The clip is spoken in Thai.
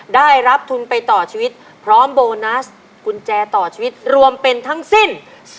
ได้รับทุนไปต่อชีวิตพร้อมโบนัสกุญแจต่อชีวิตรวมเป็นทั้งสิ้น